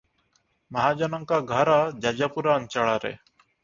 ମହାଜନଙ୍କ ଘର ଯାଜପୁର ଅଞ୍ଚଳରେ ।